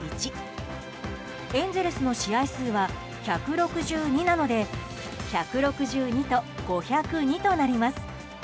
エンゼルスの試合数は１６２なので１６２と５０２となります。